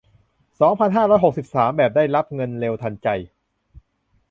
สองพันห้าร้อยหกสิบสาม แบบได้รับเงินเร็วทันใจ